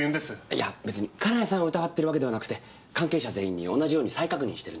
いや別に金谷さんを疑ってるわけではなくて関係者全員に同じように再確認してるんです。